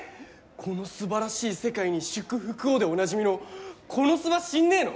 『この素晴らしい世界に祝福を！』でおなじみの『このすば』知んねえの？